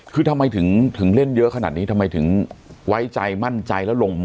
คือทำไมถึงเล่นเยอะขนาดนี้ทำไมถึงไว้ใจมั่นใจแล้วลง